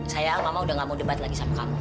saya mama udah gak mau debat lagi sama kamu